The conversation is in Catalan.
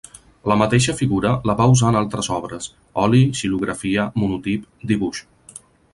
La mateixa figura la va usar en altres obres: oli, xilografia, monotip, dibuix.